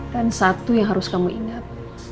dan satu yang harus kamu ingat